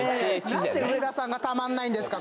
なんで植田さんがたまんないんですか